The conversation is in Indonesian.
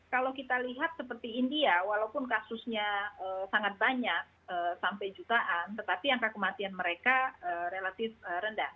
kalau kita lihat seperti india walaupun kasusnya sangat banyak sampai jutaan tetapi angka kematian mereka relatif rendah